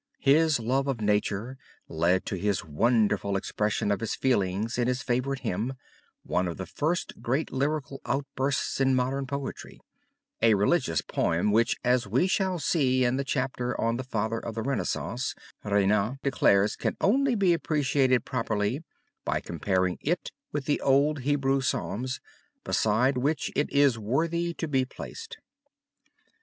His love for nature led to his wonderful expression of his feelings in his favorite hymn, one of the first great lyrical outbursts in modern poetry, a religious poem which as we shall see in the chapter on the Father of the Renaissance, Renan declares can only be appreciated properly by comparing it with the old Hebrew psalms, beside which it is worthy to be placed.